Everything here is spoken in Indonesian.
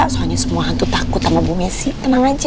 soalnya semua hantu takut sama bu messi tenang aja